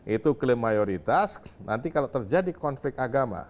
itu klaim mayoritas nanti kalau terjadi konflik agama